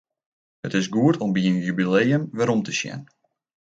It is goed om by in jubileum werom te sjen.